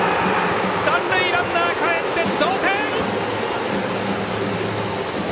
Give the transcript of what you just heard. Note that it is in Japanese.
三塁ランナー、かえって同点！